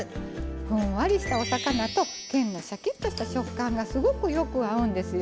ふんわりしたお魚とけんのシャキッとした食感がすごくよく合うんですよ。